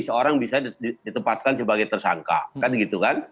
seorang bisa ditempatkan sebagai tersangka